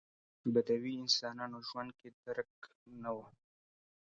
بدوي انسانانو ژوند کې درک نه و.